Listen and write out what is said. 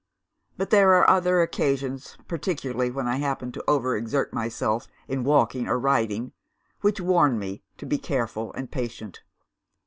But there are other occasions, particularly when I happen to over exert myself in walking or riding, which warn me to be careful and patient.